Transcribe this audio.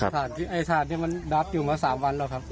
แปลว่าถ่านถ่านที่มันรับอยู่มา๓วันหรือครับ